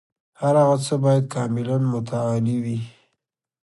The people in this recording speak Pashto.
هر هغه څه باید کاملاً متعالي وي.